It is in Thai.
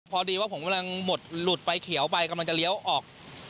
พอดีว่าผมกำลังหมดหลุดไฟเขียวไปกำลังจะเลี้ยวออก